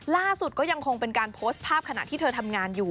ล่าสุดก็ยังคงเป็นการโพสต์ภาพขณะที่เธอทำงานอยู่